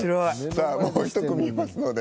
さあもう１組いますので。